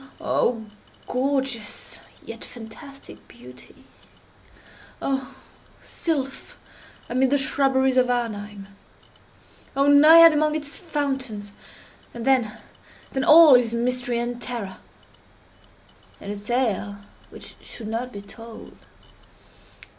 Oh, gorgeous yet fantastic beauty! Oh, sylph amid the shrubberies of Arnheim! Oh, Naiad among its fountains! And then—then all is mystery and terror, and a tale which should not be told.